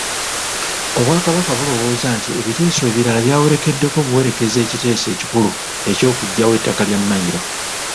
Obwakabaka bulowooza nti ebiteeso ebirala byawerekeddeko buwerekezi ekiteeso ekikulu eky'okuggyawo ettaka lya Mmayiro.